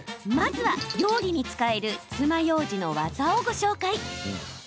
まずは、料理に使えるつまようじの技をご紹介。